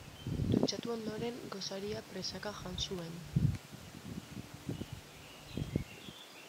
Dutxatu ondoren gosaria presaka jan zuen.